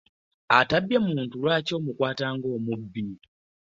Atabbye muntu lwaki omukwata nga mubbi?